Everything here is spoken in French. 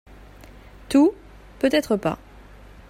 Tout, peut-être pas.